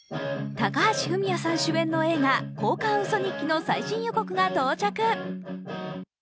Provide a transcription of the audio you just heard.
高橋文哉さん主演の映画「交換ウソ日記」の最新予告が到着。